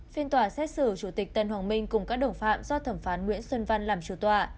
phiên tòa xét xử chủ tịch tân hoàng minh cùng các đồng phạm do thẩm phán nguyễn xuân văn làm chủ tòa